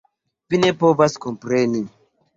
Vi ne povas kompreni.